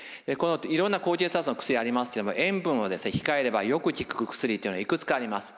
いろんな高血圧の薬がありますけど塩分を控えればよく効く薬っていうのはいくつかあります。